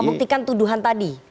membuktikan tuduhan tadi